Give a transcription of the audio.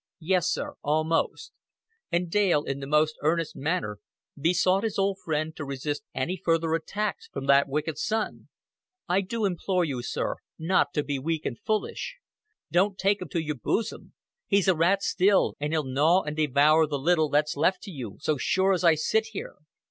"Yes, sir almost;" and Dale in the most earnest manner besought his old friend to resist any further attacks from that wicked son. "I do implore you, sir, not to be weak and fullish. Don't take him to your boosum. He's a rat still an' he'll gnaw and devour the little that's left to you, so sure as I sit here."